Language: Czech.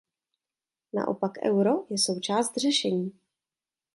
Naopak euro je součást řešení.